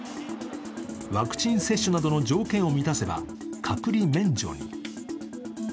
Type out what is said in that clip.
ワクチン接種などの条件を満たせば隔離免除に。